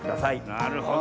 なるほど。